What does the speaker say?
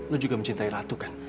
lo juga mencintai ratu kan